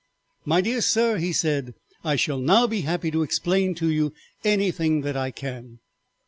"'My dear sir,' he said, 'I shall now be happy to explain to you anything that I can.'